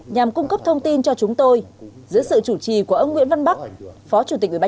nhằm cung cấp thông tin cho chúng tôi giữa sự chủ trì của ông nguyễn văn bắc phó chủ tịch ủy ban